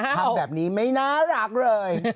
ทำแบบนี้ไม่น่ารักเลย